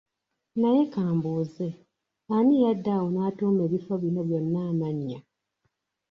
Naye kambuuze ani yadda awo n'atuuma ebifo bino byonna amannya.